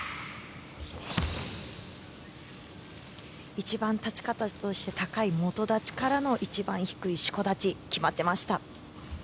一番立ち方として高い基立ちからの一番低い四股立ち決まっていました。